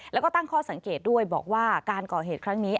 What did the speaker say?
แล้วก็ตั้งข้อสังเกตด้วยบอกว่าการก่อเหตุครั้งนี้